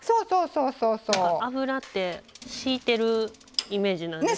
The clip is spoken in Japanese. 油ってしいてるイメージなんですけど。